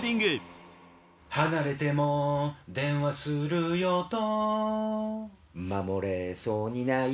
離れても電話するよと